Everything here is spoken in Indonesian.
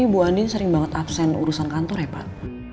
ibu andi sering banget absen urusan kantor ya pak